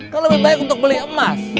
kalau lebih baik untuk beli emas